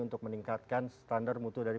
untuk meningkatkan standar mutu dari